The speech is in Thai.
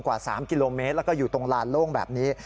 กว่า๓กิโลเมตรแล้วก็อยู่ตรงลานโล่งแบบนี้